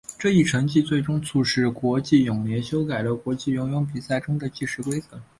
这一成绩最终促使国际泳联修改了国际游泳比赛中的计时规则。